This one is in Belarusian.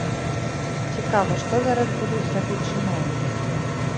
Цікава, што зараз будуць рабіць чыноўнікі?